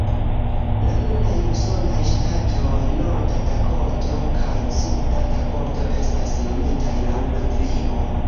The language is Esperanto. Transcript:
La nunaj usonaj ŝtatoj Norda Dakoto kaj Suda Dakoto estas nomitaj laŭ la tribo.